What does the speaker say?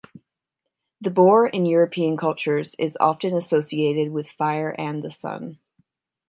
The boar in European cultures is often associated with fire and the sun.